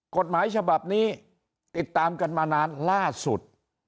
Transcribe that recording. กฎหมายฉบับนี้ติดตามกันมานานล่าสุด